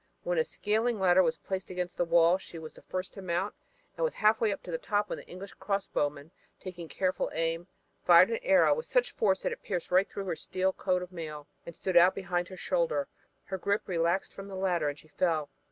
When a scaling ladder was placed against the wall she was the first to mount and was half way to the top when an English crossbowman, taking careful aim, fired an arrow with such force that it pierced right through her steel coat of mail and stood out behind her shoulder. Her grip relaxed from the ladder and she fell.